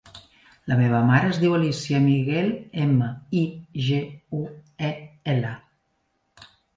La meva mare es diu Alícia Miguel: ema, i, ge, u, e, ela.